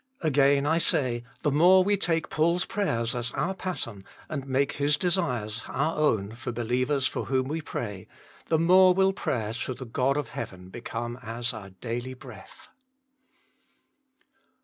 Again, I say, the more we take Paul s prayers as our pattern, and make his desires our own for believers for whom we pray, the more will prayer to the God of heaven become as our daily breath.